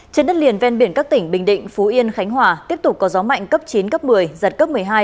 trên đất liền ven biển các tỉnh bình định phú yên khánh hòa tiếp tục có gió mạnh cấp chín cấp một mươi giật cấp một mươi hai